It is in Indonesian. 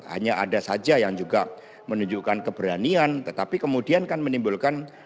hanya ada saja yang juga menunjukkan keberanian tetapi kemudian kan menimbulkan